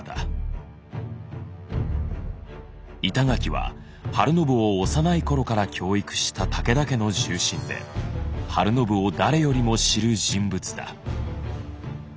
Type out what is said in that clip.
板垣は晴信を幼い頃から教育した武田家の重臣で晴信を誰よりも知る人物だ。